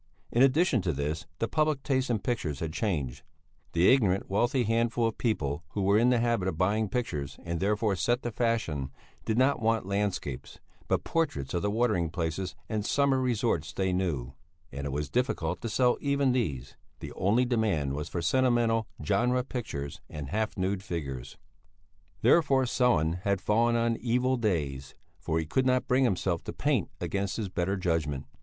In addition to this the public taste in pictures had changed; the ignorant wealthy handful of people who were in the habit of buying pictures and therefore set the fashion, did not want landscapes, but portraits of the watering places and summer resorts they knew; and it was difficult to sell even these; the only demand was for sentimental genre pictures and half nude figures. Therefore Sellén had fallen on evil days, for he could not bring himself to paint against his better judgment.